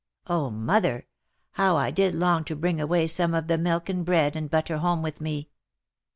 Oh, mother! how I did long to bring away some of the milk and bread and butter home with me!"